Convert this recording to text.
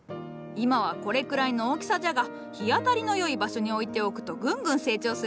今はこれくらいの大きさじゃが日当たりの良い場所に置いておくとグングン成長する。